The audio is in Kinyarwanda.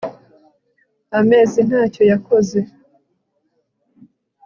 Amezi ntacyo yakoze